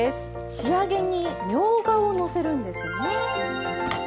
仕上げにみょうがをのせるんですね。